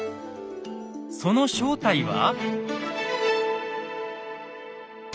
その正体は。